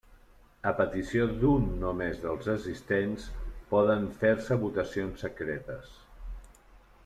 A petició d'un només dels assistents, poden fer-se votacions secretes.